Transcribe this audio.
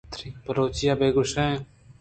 بلوچی بہ گوشیں،